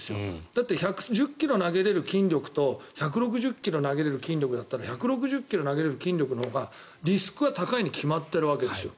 だって１１０ｋｍ投げれる筋力と１６０ｋｍ投げれる筋力だったら１６０ｋｍ投げられる筋力のほうがリスクは高いに決まってますよ。